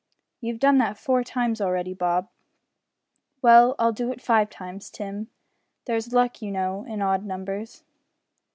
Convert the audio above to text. "You've done that four times already, Bob." "Well, I'll do it five times, Tim. There's luck, you know, in odd numbers."